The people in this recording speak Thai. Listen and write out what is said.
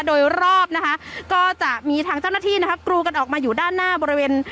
โดยรอบนะคะก็จะมีทางเจ้าหน้าที่นะครับกรูกันออกมาอยู่ด้านหน้าบริเวณ